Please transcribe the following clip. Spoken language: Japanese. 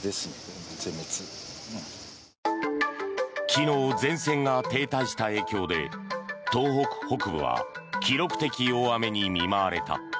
昨日、前線が停滞した影響で東北北部は記録的大雨に見舞われた。